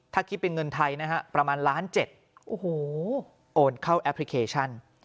ถ้าคิดเป็นเงินไทยนะฮะประมาณ๑๗๐๐๐๐๐โอนเข้าแอปพลิเคชัน